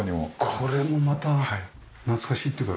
これもまた懐かしいっていうか。